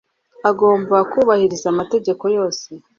agomba kubahiriza amategeko yose